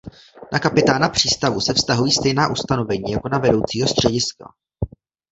Na kapitána přístavu se vztahují stejná ustanovení jako na vedoucího střediska.